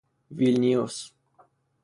ویلنیوس